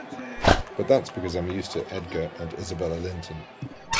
But that’s because I’m used to Edgar and Isabella Linton.